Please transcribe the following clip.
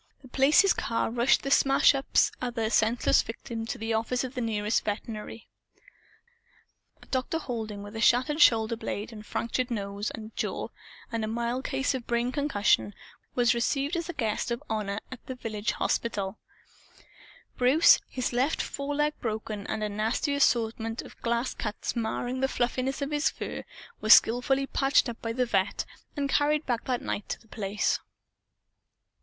The Place's car rushed the smash up's other senseless victim to the office of the nearest veterinary. Dr. Halding, with a shattered shoulder blade and a fractured nose and jaw and a mild case of brain concussion, was received as a guest of honor at the village hospital. Bruce, his left foreleg broken and a nasty assortment of glass cuts marring the fluffiness of his fur, was skillfully patched up by the vet' and carried back that night to The Place.